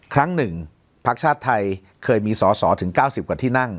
ครั้งหนึ่งภักดิ์ชาติไทยเคยมีสอสอถึง๙๐กว่าที่นั่ง